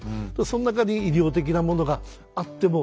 その中に医療的なものがあっても。